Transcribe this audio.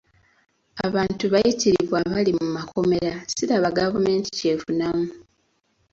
Abantu bayitirivu abali mu makomera siraba gavumenti ky'efunamu.